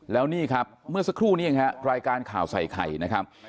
แล้วนี่ครับเมื่อสักครู่นี้เองฮะรายการข่าวใส่ไข่นะครับ